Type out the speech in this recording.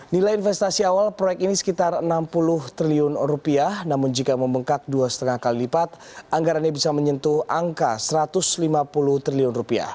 nilai investasi awal proyek ini sekitar rp enam puluh triliun namun jika membengkak dua lima kali lipat anggarannya bisa menyentuh angka rp satu ratus lima puluh triliun